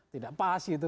tidak pas gitu